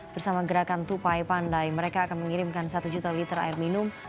bersama gerakan tupai pandai mereka akan mengirimkan satu juta liter air minum